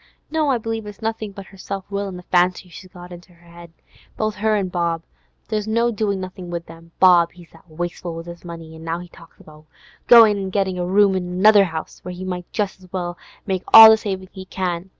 No, I believe it's nothin' but her self will an' the fancies she's got into her 'ead. Both her an' Bob, there's no doin' nothin' with them. Bob, he's that wasteful with his money; an' now he talks about goin' an' gettin' a room in another 'ouse, when he might just as well make all the savin' he can.